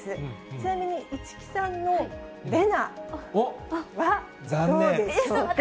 ちなみに市來さんの玲奈はどうでしょうか。